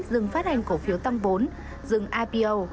rừng phát hành cổ phiếu tăng vốn rừng ipo